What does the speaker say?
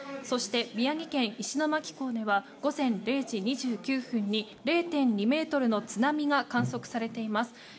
そして、宮城県石巻港では午前０時２９分に０．２ｍの津波が観測されています。